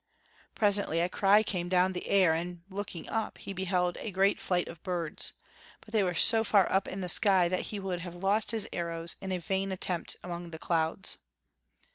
Presently a cry come down the air, and looking up he beheld a great flight of birds; but they were so far up in the sky that he would have lost his arrows in a vain attempt among the clouds.